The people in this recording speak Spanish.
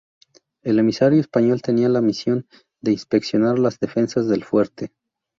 El emisario español tenía la misión de inspeccionar las defensas del fuerte.